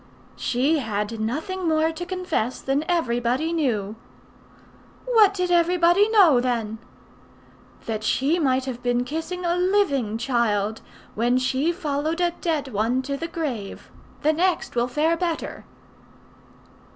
"She had nothing more to confess than everybody knew." "What did everybody know then?" "That she might have been kissing a living child, when she followed a dead one to the grave. The next will fare better."